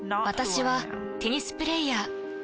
私はテニスプレイヤー。